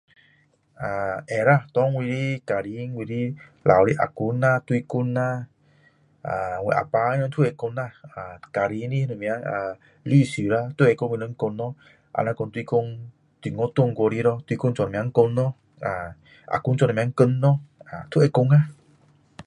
会啦给我的家庭啊公啦大公啦我啊爸他们都会讲家庭的什么历史都会跟我们讲就是说中国哪里过来大公为什么讲咯啊公做什么工咯都会讲